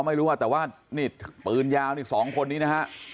ไม่รู้ว่าแต่ว่านี่ปืนยาวนี่สองคนนี้นะฮะ